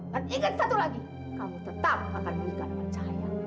dan ingat satu lagi kamu tetap akan menikah dengan cahaya